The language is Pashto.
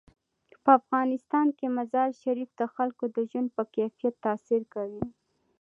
په افغانستان کې مزارشریف د خلکو د ژوند په کیفیت تاثیر کوي.